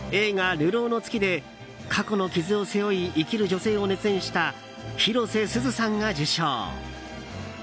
「流浪の月」で過去の傷を背負い生きる女性を熱演した広瀬すずさんが受賞。